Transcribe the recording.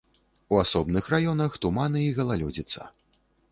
У асобных раёнах туманы і галалёдзіца.